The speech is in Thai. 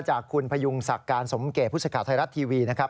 จากคุณพยุงศักดิ์การสมมุติเกภพุทธิศาสตร์ไทยรัตน์ทีวีนะครับ